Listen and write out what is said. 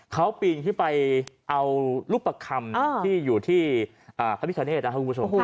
เขาปีนไปเอาลูกประคำที่อยู่ที่พระพิการเนตฮบุษมงศ์